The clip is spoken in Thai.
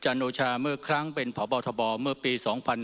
จันทร์โอชาเมื่อครั้งเป็นพบธบเมื่อปี๒๕๕๗